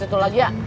gue situ lagi ya